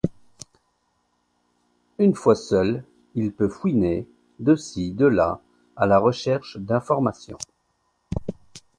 Une fois seul, il peut fouiner, de ci de là, à la recherche d'informations.